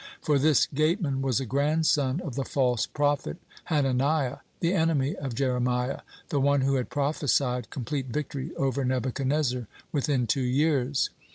For this gateman was a grandson of the false prophet Hananiah, the enemy of Jeremiah, the one who had prophesied complete victory over Nebuchadnezzar within two years.